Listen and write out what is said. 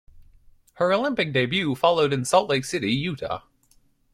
Her Olympic debut followed in Salt Lake City, Utah.